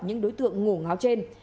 những đối tượng ngủ ngáo trên